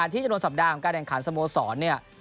ที่จะรวมสัปดาห์ของการแดงขันสโมสร